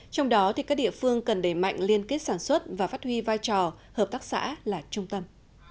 trong đó các địa phương cần đẩy mạnh liên kết sản xuất và phát huy vai trò hợp tác xã là trung tâm